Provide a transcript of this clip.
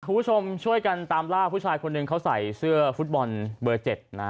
คุณผู้ชมช่วยกันตามล่าผู้ชายคนหนึ่งเขาใส่เสื้อฟุตบอลเบอร์๗นะฮะ